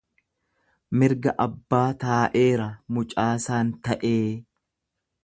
Mirga abbaa taa'eera, mucaasaan ta'ee.